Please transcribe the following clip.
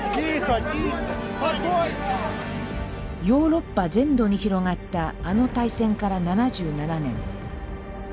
ヨーロッパ全土に広がったあの大戦から７７年。